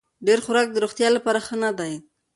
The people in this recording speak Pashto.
ډېر خوراک د روغتیا لپاره ښه نه دی.